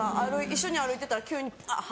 一緒に歩いてたら急にパ！